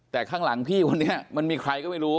แต่ข้างหลังพี่คนนี้มันมีใครก็ไม่รู้